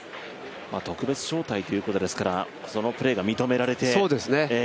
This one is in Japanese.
特別招待ということですからそのプレーが認められて。